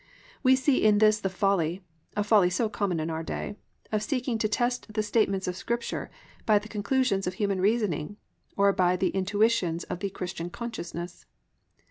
We see in this the folly, a folly so common in our day, of seeking to test the statements of Scripture by the conclusions of human reasoning, or by the intuitions of the "Christian consciousness."